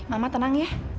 mama tenang ya